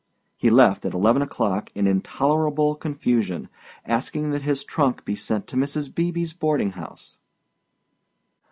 He left at eleven o'clock in intolerable confusion, asking that his trunk be sent to Mrs. Beebe's boarding house.